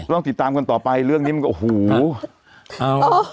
ต้องติดตามกันต่อไปเรื่องนี้มันโอ้โหเอา